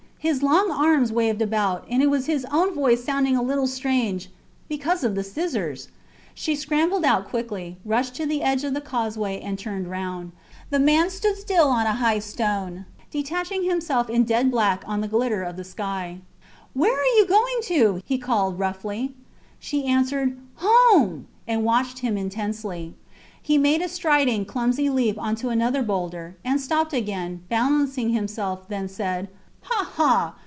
His long arms waved about, and it was his own voice sounding a little strange ... because of the scissors. She scrambled out quickly, rushed to the edge of the causeway, and turned round. The man stood still on a high stone, detaching himself in dead black on the glitter of the sky. Where are you going to? he called, roughly. She answered, Home! and watched him intensely. He made a striding, clumsy leap on to another boulder, and stopped again, balancing himself, then said Ha! ha!